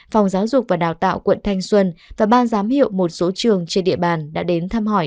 phòng giáo dục và đào tạo quận thanh xuân và ban giám hiệu một số trường trên địa bàn đã đến thăm hỏi